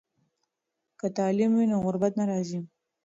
که تعلیم وي نو غربت نه راځي.